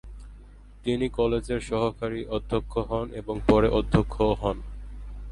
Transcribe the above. তিনি কলেজের সহকারী অধ্যক্ষ হন এবং পরে অধ্যক্ষও হন।